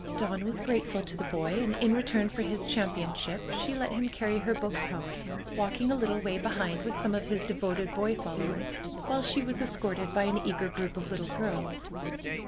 Dawn was grateful to the boy, and in return for his championship she let him carry her books home, walking a little way behind with some of his devoted boy followers, while she was escorted by an eager group of little girls.